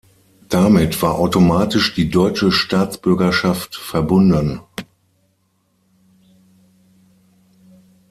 Damit war automatisch die deutsche Staatsbürgerschaft verbunden.